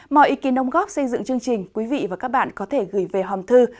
mọi ý kỳ nông góp xây dựng chương trình quý vị và các bạn có thể gửi về hòm thư